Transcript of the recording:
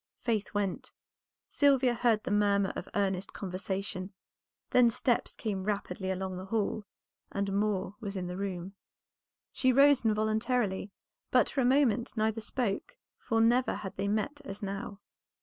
Faith went; Sylvia heard the murmur of earnest conversation; then steps came rapidly along the hall, and Moor was in the room. She rose involuntarily, but for a moment neither spoke, for never had they met as now.